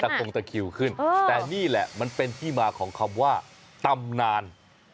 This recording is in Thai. คงตะคิวขึ้นแต่นี่แหละมันเป็นที่มาของคำว่าตำนาน